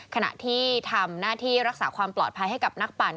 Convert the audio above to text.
ขณะที่ทำหน้าที่รักษาความปลอดภัยให้กับนักปั่น